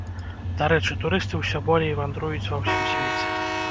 Дарэчы, турысты ўсё болей вандруюць ва ўсім свеце.